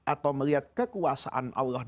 atau melihat kekuasaan allah